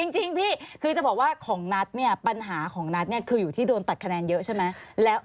จริงพี่คือจะบอกว่าของนัทเนี่ยปัญหาของนัทเนี่ยคืออยู่ที่โดนตัดคะแนนเยอะใช่ไหม